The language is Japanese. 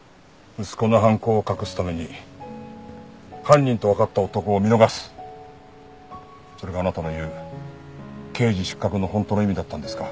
息子の犯行を隠すために犯人とわかった男を見逃すそれがあなたの言う刑事失格の本当の意味だったんですか。